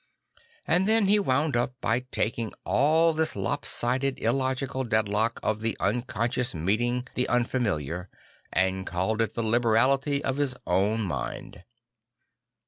And then he wound up by taking all this lop sided illogical deadlock, of the uncon scious meeting the unfamiliar, and called it the liberality of his own mind.